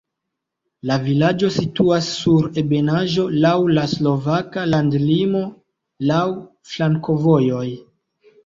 La vilaĝo situas sur ebenaĵo, laŭ la slovaka landlimo, laŭ flankovojoj.